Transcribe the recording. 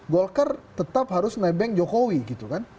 golkar tetap harus nebeng jokowi gitu kan